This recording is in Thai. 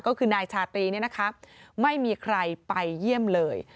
ก็คือนายชาตรีเนี่ยนะคะไม่มีใครไปเยี่ยมเลย